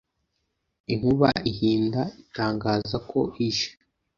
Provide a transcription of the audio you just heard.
inkuba ihinda itangaza ko ije